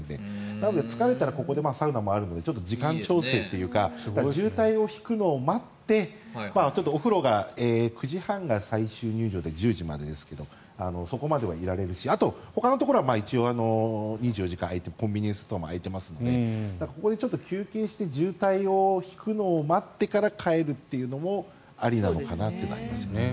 なので、疲れたらここでサウナもあるので時間調整というか渋滞が引くのを待ってお風呂が９時半が最終入場で１０時までですけどそこまではいられるしあと、ほかのところは一応２４時間開いててコンビニエンスストアも開いてますのでここで休憩して渋滞が引くのを待ってから帰るというのもありなのかなというのはありますね。